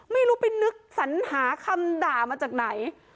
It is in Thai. ไม่รู้ไปนึกสัญหาคำด่ามาจากไหน